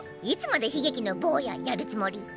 いつまで悲劇の坊ややるつもり？